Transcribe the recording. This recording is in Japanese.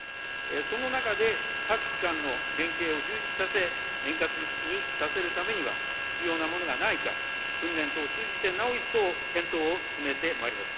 その中で、各機関の連携を充実させ、円滑にさせるためには、必要なものがないか、訓練等を通じてなお一層、検討を進めてまいります。